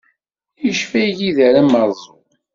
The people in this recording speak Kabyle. Yecba igider amerẓu.